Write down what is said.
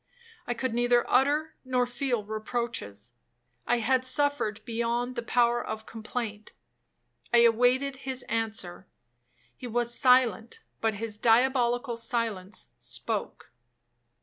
I could neither utter nor feel reproaches,—I had suffered beyond the power of complaint. I awaited his answer; he was silent, but his diabolical silence spoke.